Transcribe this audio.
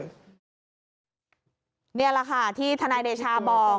นี่แหละค่ะที่ทนายเดชาบอก